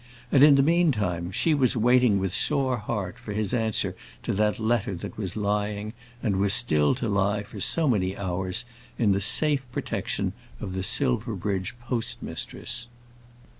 And in the meantime, she was waiting with sore heart for his answer to that letter that was lying, and was still to lie for so many hours, in the safe protection of the Silverbridge postmistress.